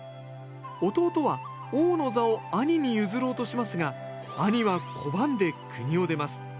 弟は王の座を兄に譲ろうとしますが兄は拒んで国を出ます。